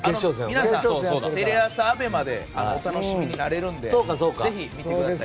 皆さんテレ朝、ＡＢＥＭＡでお楽しみになれるのでぜひ、見てください。